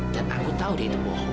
dan aku tahu dia itu bohong